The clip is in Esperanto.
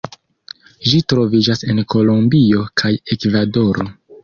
Ĝi troviĝas en Kolombio kaj Ekvadoro.